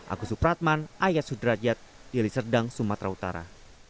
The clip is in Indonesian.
agus supratman ayat sudrajat dili serdang sumatera utara